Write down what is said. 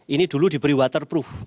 ini dulu diberi waterproof